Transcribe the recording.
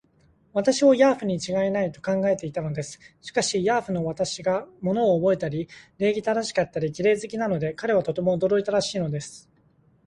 私をヤーフにちがいない、と考えていたのです。しかし、ヤーフの私が物をおぼえたり、礼儀正しかったり、綺麗好きなので、彼はとても驚いたらしいのです。